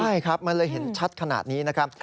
ใช่ครับมันเลยเห็นชัดขนาดนี้นะครับ